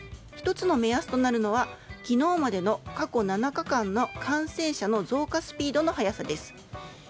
１つの目安となるのは昨日までの過去７日間の感染者の増加スピードの速さです。